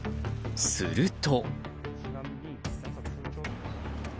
すると。